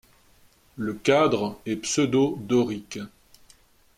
Le cadre est pseudo-dorique.